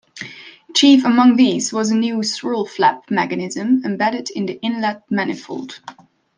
Chief among these was a new 'swirl flap' mechanism embedded in the inlet manifold.